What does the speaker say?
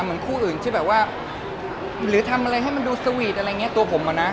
มีผู้อื่นที่แบบว่าหรือทำอะไรให้มันดูสวีทอะไรเงี้ยตัวผมอะนะ